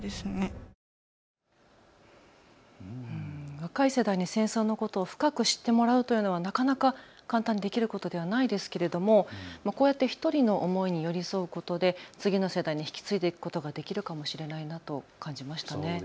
若い世代に戦争のことを深く知ってもらうということはなかなか簡単にできることではないですがこうやって１人の思いに寄り添うことで次の世代に引き継いでいくことができるのではないかと感じましたね。